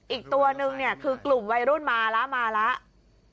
อีกตัวนึงเนี่ยคือกลุ่มวัยรุ่นมาแล้วมาแล้ว